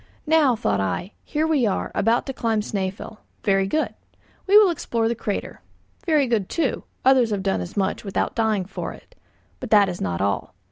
Now, thought I, here we are, about to climb Snæfell. Very good. We will explore the crater. Very good, too, others have done as much without dying for it. But that is not all.